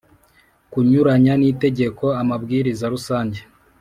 kunyuranya n itegeko amabwiriza rusange